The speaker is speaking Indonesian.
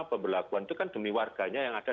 pemberlakuan itu kan demi warganya yang ada